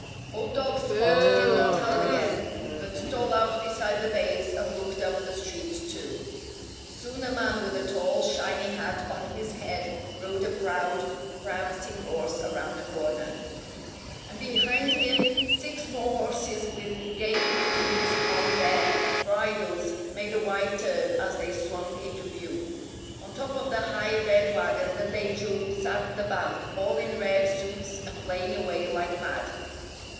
Old dog Spot did not howl again, but stole out beside the bays and looked up the street too. Soon a man with a tall, shiny hat on his head rode a proud, prancing horse around a corner. And behind him six more horses with gay plumes on their bridles made a wide turn as they swung into view. On top of the high red wagon that they drew sat the band, all in red suits and playing away like mad.